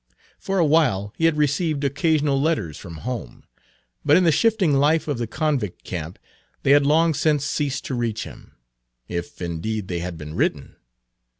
For a while he had received occasional letters from home, but in the shifting life of the convict camp they had long since ceased to reach him, if indeed they had been written.